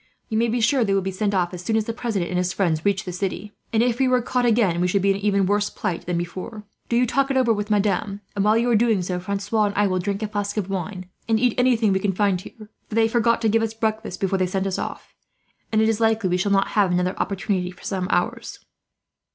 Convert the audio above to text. You may be sure they will be sent off, as soon as the president and his friends reach the city; and if we were caught again, we should be in an even worse plight than before. Do you talk it over with Madame and, while you are doing so, Francois and I will drink a flask of wine, and eat anything we can find here; for they forgot to give us breakfast before they sent us off, and it is likely we shall not have another opportunity, for some hours."